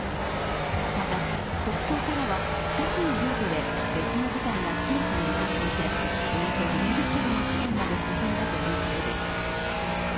また、北東からは２つのルートで別の部隊がキエフに向かっていておよそ４０ｋｍの地点まで進んだということです。